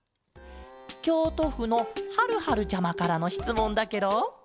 きょうとふのはるはるちゃまからのしつもんだケロ！